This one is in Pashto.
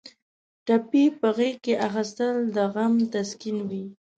ټپي په غېږ کې اخیستل د غم تسکین وي.